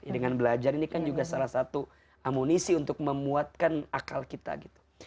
dengan belajar ini kan juga salah satu amunisi untuk memuatkan akal kita gitu